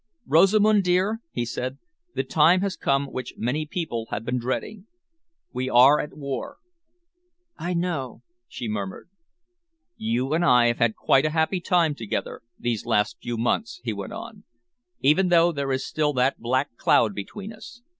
"Rosamund dear," he said, "the time has come which many people have been dreading. We are at war." "I know," she murmured. "You and I have had quite a happy time together, these last few months," he went on, "even though there is still that black cloud between us.